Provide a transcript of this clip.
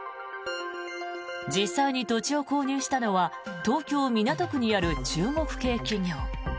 実際に土地を購入したのは東京・港区にある中国系企業。